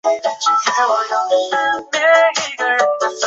诺尔鲁瓦。